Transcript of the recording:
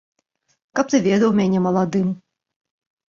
Каб ты ведаў мяне маладым!